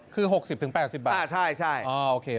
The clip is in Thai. คือ๖๐ถึง๘๐บาทอ่าใช่อ๋อโอเค